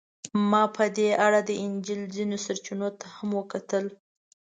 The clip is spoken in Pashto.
ما په دې اړه د انجیل ځینو سرچینو ته هم وکتل.